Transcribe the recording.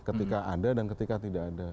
ketika ada dan ketika tidak ada